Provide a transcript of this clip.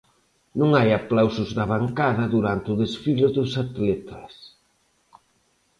Non hai aplausos da bancada durante o desfile dos atletas.